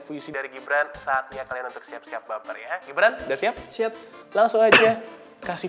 puisi dari gibran saatnya kalian untuk siap siap baper ya gibran udah siap siap langsung aja kasih